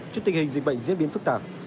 trước tình hình dịch bệnh diễn biến phức tạp